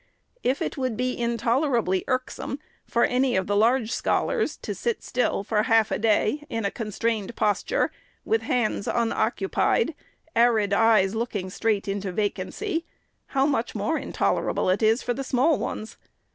If it would be intolerably irksome for any of the large scholars to sit still for half a day, in a constrained posture, with hands SECOND ANNUAL REPORT. 497 unoccupied, arid eyes looking straight into vacancy, how much more intolerable is it for the small ones